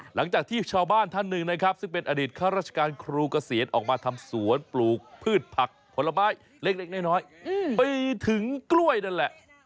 หลังจากที่ชาวบ้านท่านหนึ่งนะครับซึ่งเป็นอดีตข้าราชการครูเกษียณออกมาทำสวนปลูกพืชผักผลไม้เล็กน้อยไปถึงกล้วยนั่นแหละ